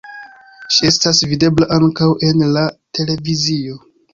Ŝi estas videbla ankaŭ en la televizio.